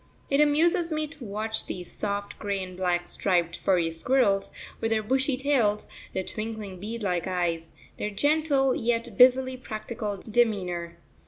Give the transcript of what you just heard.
It amuses me to watch these soft, grey and black striped, furry squirrels, with their bushy tails, their twinkling bead like eyes, their gentle yet busily practical demeanour.